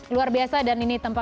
luar biasa dan ini tempat